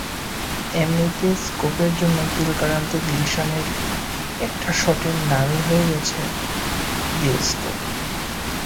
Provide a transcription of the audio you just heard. এমনিতে স্কুপের জন্য তিলকরত্নে দিলশানের একটা শটের নামই হয়ে গেছে দিলস্কুপ।